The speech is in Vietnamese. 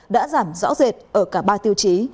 đã giảm rõ rệt ở cả ba tiêu chí